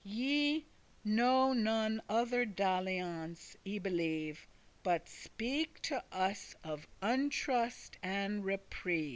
Ye know none other dalliance, I believe, But speak to us of untrust and repreve."